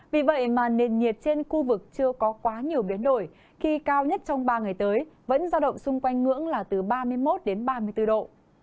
vì vậy mà nền nhiệt trên khu vực chưa có quá nhiều biến đổi khi cao nhất trong ba ngày tới vẫn giao động xung quanh ngưỡng là từ ba mươi một đến ba mươi bốn độ